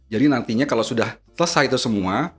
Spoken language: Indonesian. jadi nantinya kalau sudah selesai itu semua